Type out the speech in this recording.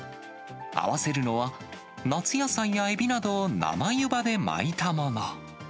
合わせるのは、夏野菜やエビなどを生湯葉で巻いたもの。